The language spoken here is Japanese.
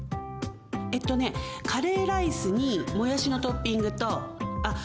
えっとねカレーライスにもやしのトッピングとあっ